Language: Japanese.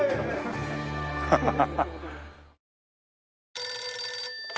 ハハハハ。